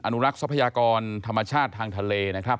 อุรักษ์ทรัพยากรธรรมชาติทางทะเลนะครับ